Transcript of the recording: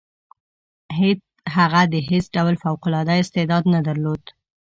هغه د هیڅ ډول فوق العاده استعداد نه درلود.